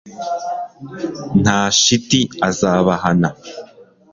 nta shiti azabahana